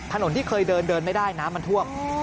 ถนนที่เคยเดินเดินไม่ได้น้ำมันท่วม